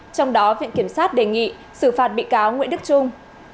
trong đó viện kiểm sát đề nghị xử phạt bị cáo nguyễn đức trung